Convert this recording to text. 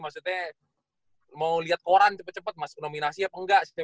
maksudnya mau liat koran cepet cepet masuk nominasi apa enggak sih